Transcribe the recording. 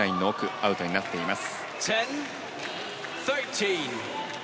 アウトになっています。